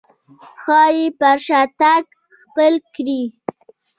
ښايي پر شا تګ خپل کړي.